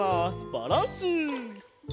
バランス！